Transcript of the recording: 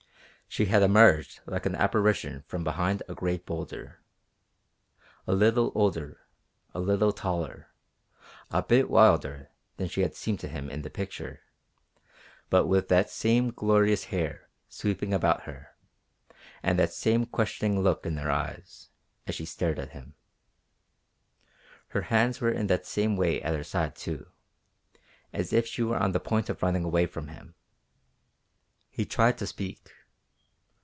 She had emerged like an apparition from behind a great boulder a little older, a little taller, a bit wilder than she had seemed to him in the picture, but with that same glorious hair sweeping about her, and that same questioning look in her eyes as she stared at him. Her hands were in that same way at her side, too, as if she were on the point of running away from him. He tried to speak.